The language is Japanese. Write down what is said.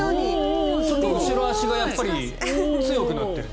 後ろ足がやっぱり強くなってる。